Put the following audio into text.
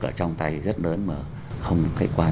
ở trong tay rất lớn mà không khách quan